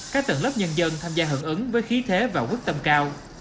các tầng lớp nhân dân tham gia hưởng ứng với khí thế và quyết tâm cao